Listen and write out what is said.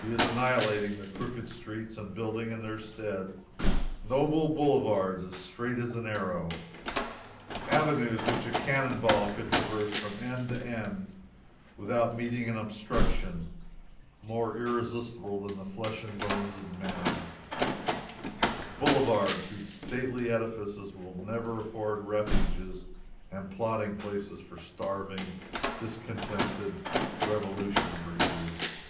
He is annihilating the crooked streets and building in their stead noble boulevards as straight as an arrow avenues which a cannon ball could traverse from end to end without meeting an obstruction more irresistible than the flesh and bones of men boulevards whose stately edifices will never afford refuges and plotting places for starving, discontented revolution breeders.